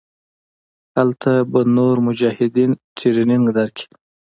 هلته به نور مجاهدين ټرېننگ درکي.